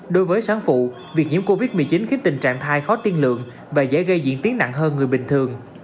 đối với sáng phụ việc nhiễm covid một mươi chín khiến tình trạng thai khó tiên lượng và dễ gây diễn tiến nặng hơn người bình thường